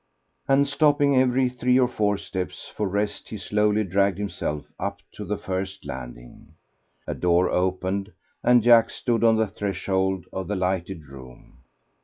And stopping every three or four steps for rest, he slowly dragged himself up to the first landing. A door opened and Jack stood on the threshold of the lighted room.